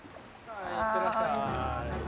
いってらっしゃい。